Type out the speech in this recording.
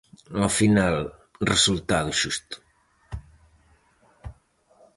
Ao final, resultado xusto.